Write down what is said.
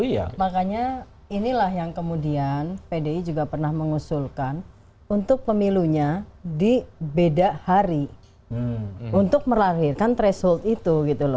iya makanya inilah yang kemudian pdi juga pernah mengusulkan untuk pemilunya di beda hari untuk melahirkan threshold itu gitu loh